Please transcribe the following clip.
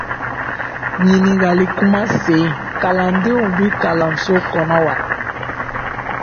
- ɲiningalikumasen: kalandenw bi kalanso kɔnɔ wa?